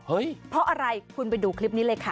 เพราะอะไรคุณไปดูคลิปนี้เลยค่ะ